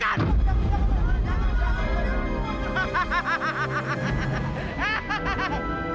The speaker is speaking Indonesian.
jangan jangan jangan